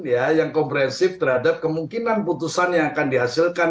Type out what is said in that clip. ya yang komprehensif terhadap kemungkinan putusan yang akan dihasilkan